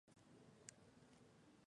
Su muerte al final del libro es incierta.